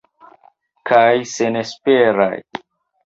Kaj senesperaj.